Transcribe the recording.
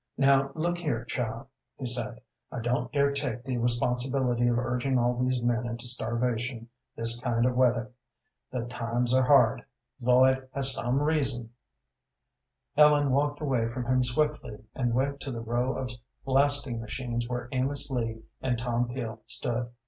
"Now look here, child," he said, "I don't dare take the responsibility of urging all these men into starvation this kind of weather. The times are hard. Lloyd has some reason " Ellen walked away from him swiftly and went to the row of lasting machines where Amos Lee and Tom Peel stood.